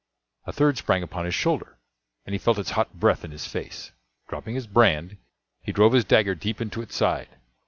A third sprang upon his shoulder, and he felt its hot breath in his face. Dropping his brand, he drove his dagger deep into its side.